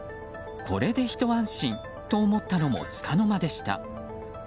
これでひと安心と思ったのもつかの間でした。